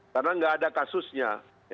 karena nggak ada kasusnya